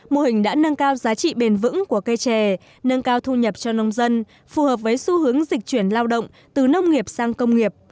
mô hình đã nâng cao giá trị bền vững của cây trè nâng cao thu nhập cho nông dân phù hợp với xu hướng dịch chuyển lao động từ nông nghiệp sang công nghiệp